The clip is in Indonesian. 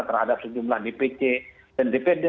terhadap sejumlah dpc dan dpd